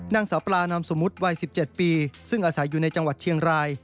นางสาวปลานามสมมุติวัย๑๗ปีซึ่งอาศัยอยู่ในจังหวัดเชียงราย